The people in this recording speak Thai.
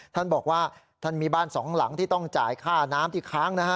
ท่านบอกว่าท่านมีบ้านสองหลังที่ต้องจ่ายค่าน้ำที่ค้างนะฮะ